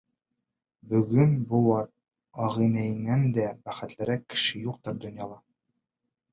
Бөгөн быуат ағинәйенән дә бәхетлерәк кеше юҡтыр донъяла!